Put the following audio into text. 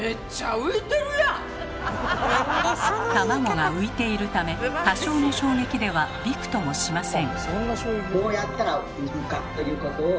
卵が浮いているため多少の衝撃ではビクともしません。